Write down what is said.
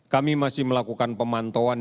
kami masih melakukan pemantauan